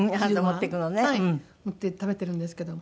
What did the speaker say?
持っていって食べてるんですけども。